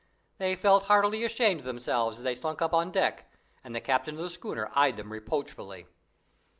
They felt heartily ashamed of themselves as they slunk up on deck, and the captain of the schooner eyed them reproachfully.